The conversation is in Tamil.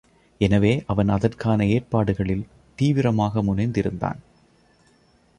எனவே அவன் அதற்கான ஏற்பாடுகளில் தீவிரமாக முனைந்திருந்தான்.